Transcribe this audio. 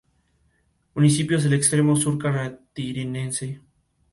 Le gustan los lugares húmedos y sombreados.